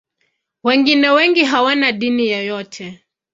Wengine wengi hawana dini yoyote.